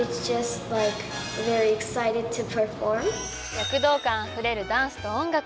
躍動感あふれるダンスと音楽。